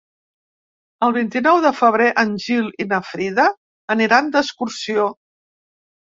El vint-i-nou de febrer en Gil i na Frida aniran d'excursió.